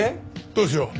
どうしよう。